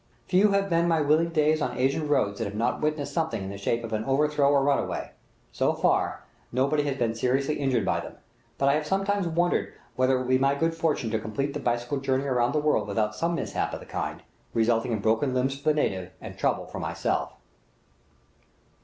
Few have been my wheeling days on Asian roads that have not witnessed something in the shape of an overthrow or runaway; so far, nobody has been seriously injured by them, but I have sometimes wondered whether it will be my good fortune to complete the bicycle journey around the world without some mishap of the kind, resulting in broken limbs for the native and trouble for myself.